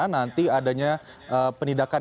nanti adanya penindakan